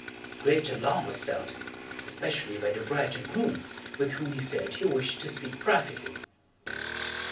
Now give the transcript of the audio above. Great alarm was felt, especially by the bride and groom, with whom he said he wished to speak privately.